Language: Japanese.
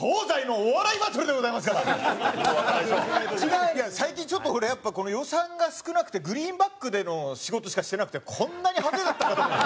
いや最近ちょっとほらやっぱこの予算が少なくてグリーンバックでの仕事しかしてなくてこんなに派手だったかと。